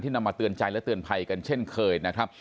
นำมาเตือนใจและเตือนภัยกันเช่นเคยนะครับ